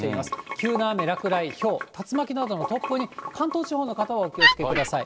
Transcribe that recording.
急な雨や落雷、ひょう、竜巻などの突風に関東地方の方はお気をつけください。